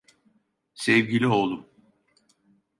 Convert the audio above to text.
Sevgili oğlum.